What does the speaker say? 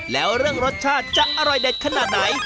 แล้วเรื่องรสชาติจะอร่อยเด็ดขนาดไหน